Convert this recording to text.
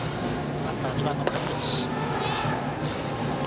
バッターは２番の垣淵。